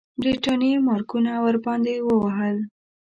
برټانیې مارکونه ورباندې وهل.